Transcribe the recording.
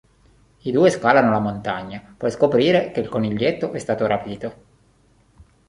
I due scalano la montagna, per scoprire che il coniglietto è stato rapito.